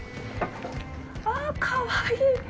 あ、かわいい。